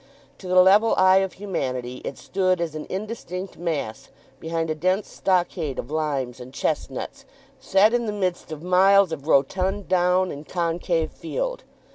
To the level eye of humanity it stood as an indistinct mass behind a dense stockade of limes and chestnuts, set in the midst of miles of rotund down and concave field.